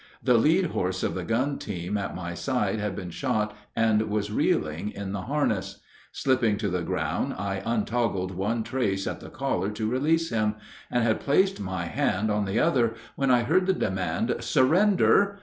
The lead horse of the gun team at my side had been shot and was reeling in the harness. Slipping to the ground, I untoggled one trace at the collar to release him, and had placed my hand on the other when I heard the demand "Surrender!"